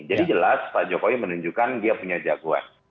jadi jelas pak jokowi menunjukkan dia punya jagoan